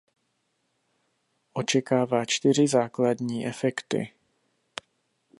Očekává čtyři základní efekty.